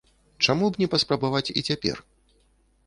Чаму б не паспрабаваць і цяпер?